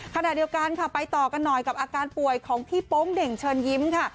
ขณะเดียวกันค่ะไปต่อกันหน่อยกับอาการป่วยของพี่โป๊งเด่งเชิญยิ้มค่ะ